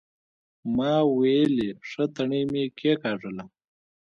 ما ويلې ښه تڼۍ مې کېکاږله.